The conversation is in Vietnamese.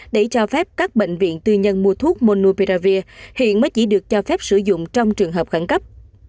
để cho phép các bệnh viện tư nhân mua thuốc monopearavir hiện mới chỉ được cho phép sử dụng trong trường hợp khẳng cấp